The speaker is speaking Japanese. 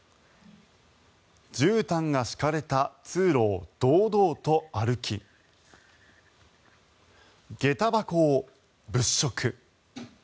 じゅうたんが敷かれた通路を堂々と歩き、下駄箱を物色。